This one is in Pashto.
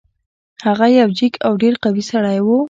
هغه یو جګ او ډیر قوي سړی و.